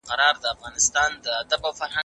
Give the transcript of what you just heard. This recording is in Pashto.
تقوا د زړه پاکوالی او د الله څخه ویره ده.